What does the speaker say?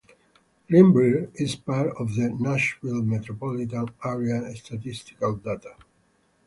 Greenbrier is part of the Nashville Metropolitan Area Statistical Data.